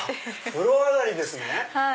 風呂上がりですね。